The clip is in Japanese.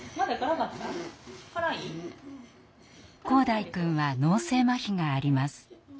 紘大くんは脳性まひがあります。